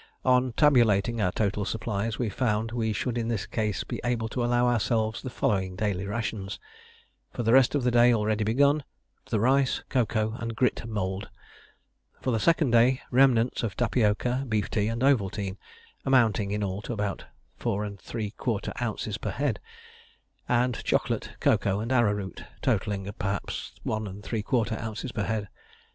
On tabulating our total supplies, we found we should in this case be able to allow ourselves the following daily rations: For the rest of the day already begun, the rice, cocoa, and grit mould. For the second day, remnants of tapioca, beef tea, and Ovaltine, amounting in all to about 4¾ oz. per head; and chocolate, cocoa, and arrowroot, totalling perhaps 1¾ oz. per head.